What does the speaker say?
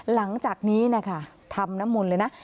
หลังจากนี้นะคะทำน้ำมนต์เลยนะ